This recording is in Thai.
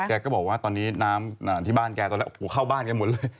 แกก็บอกว่าตอนนี้น้ำที่บ้านแกตอนแรกโอ้โหเข้าบ้านแกหมดเลย